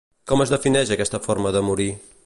Com es defineix aquesta forma de morir?